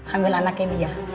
ambil anaknya dia